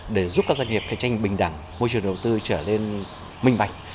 để giúp các doanh nghiệp khai tranh bình đẳng môi trường đầu tư trở nên minh bạch